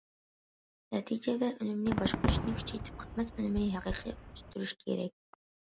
نەتىجە ۋە ئۈنۈمنى باشقۇرۇشنى كۈچەيتىپ، خىزمەت ئۈنۈمىنى ھەقىقىي ئۆستۈرۈش كېرەك.